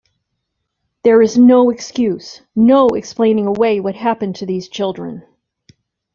There is no excuse, no explaining away what happened to these children.